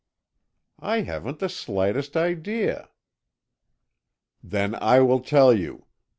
"I haven't the slightest idea." "Then I will tell you.